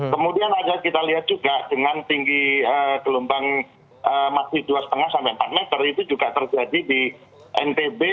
kemudian ada kita lihat juga dengan tinggi gelombang masih dua lima sampai empat meter itu juga terjadi di ntb